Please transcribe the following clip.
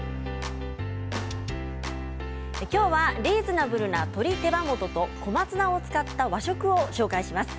今日はリーズナブルな鶏手羽元と小松菜を使った和食をご紹介します。